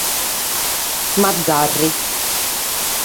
Mazzarri.